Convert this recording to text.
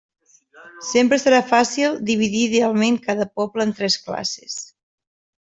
Sempre serà fàcil dividir idealment cada poble en tres classes.